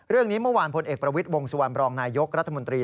เรื่องนี้เมื่อวานพลเอกประวิทวงศวรรณบรองนายกรัฐมนตรี